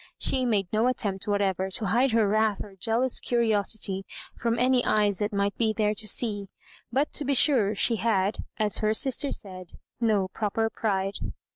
She made no attempt whatever to hide her wrath or jealous curiosity from any eyes that might be there to see ; but to be sure she had, as her sis ter said, no proper pride.